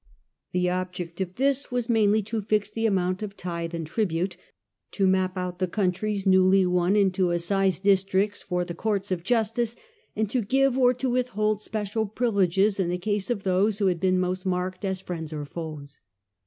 The object of 1 82 The Earlier Empire, this was mainly to fix the amount of tithe and tribute, to map out the countries newly won into assize districts for the courts of justice, and to give or to withhold special privileges in the case of those who had been most marked as friends or foes.